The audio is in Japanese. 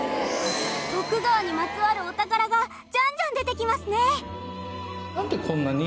徳川にまつわるお宝がじゃんじゃん出てきますね。